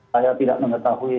saya tidak mengetahui